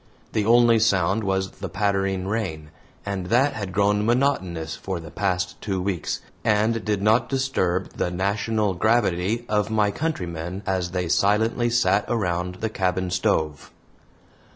The only sound was the pattering rain, and that had grown monotonous for the past two weeks, and did not disturb the national gravity of my countrymen as they silently sat around the cabin stove.